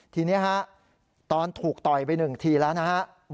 ทีนี้ครับตอนถูกต่อยไปหนึ่งทีแล้วนะครับ